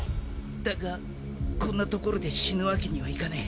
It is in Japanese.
だがこんなところで死ぬわけにはいかねえ。